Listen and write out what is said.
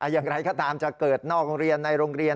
อย่างไรก็ตามจะเกิดนอกโรงเรียนในโรงเรียน